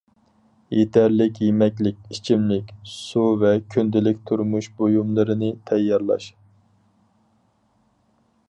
يېتەرلىك يېمەكلىك، ئىچىملىك سۇ ۋە كۈندىلىك تۇرمۇش بۇيۇملىرىنى تەييارلاش.